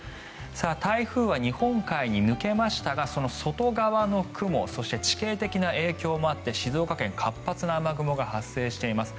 台風は日本海に抜けましたがその外側の雲そして、地形的な影響もあって静岡県活発な雨雲が発生しています。